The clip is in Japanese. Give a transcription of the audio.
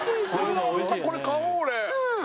これ買おう俺